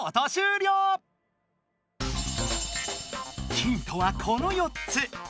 ヒントはこの４つ。